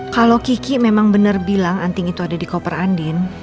kalau kiki memang benar bilang anting itu ada di koper andin